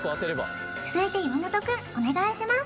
続いて岩本くんお願いします